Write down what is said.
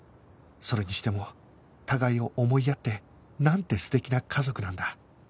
それにしても互いを思いやってなんて素敵な家族なんだ